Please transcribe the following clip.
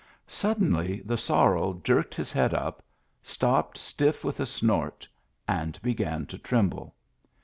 Suddenly the sor rel jerked his head up, stopped stiff with a snort, and began to tremble.